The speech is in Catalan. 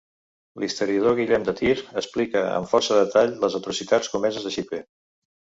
L'historiador Guillem de Tir explica amb força detall les atrocitats comeses a Xipre.